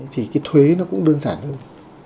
thì cái thuế nó cũng đơn giản hơn